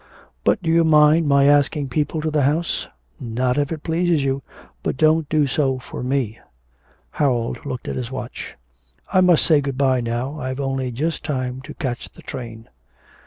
'But do you mind my asking people to the house?' 'Not if it pleases you. But don't do so for me.' Harold looked at his watch. 'I must say good bye now. I've only just time to catch the train.'